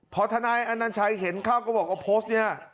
พอทนายอนัญชัยเห็นเข้าก็บอกว่าโพสต์นี้